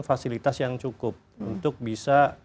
fasilitas yang cukup untuk bisa